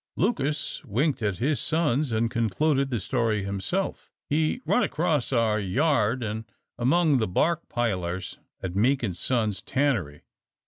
Lucas winked at his sons and concluded the story himself. "He run across our yard, an' among the bark pilers at Meek an' Sons' tannery.